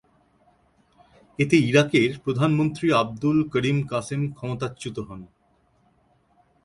এতে ইরাকের প্রধানমন্ত্রী আবদুল করিম কাসেম ক্ষমতাচ্যুত হন।